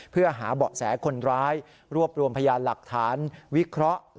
เพื่อหาเบาะแสคนร้ายรวบรวมพยานหลักฐานวิเคราะห์